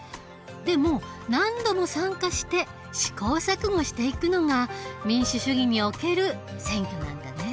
でも何度も参加して試行錯誤していくのが民主主義における選挙なんだね。